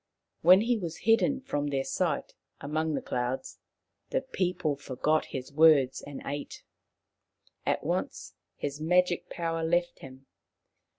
When he was hidden from their sight among the clouds, the people forgot his words and ate. At once his magic power left him.